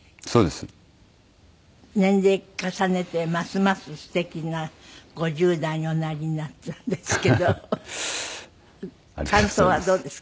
年齢重ねてますます素敵な５０代におなりになったんですけど感想はどうですか？